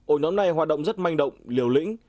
ổ nhóm này hoạt động rất manh động liều lĩnh